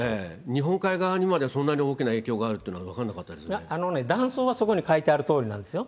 日本海側にまでそんなに大きな影響があるっていうのは分からあのね、断層はそこに書いてあるとおりなんですよ。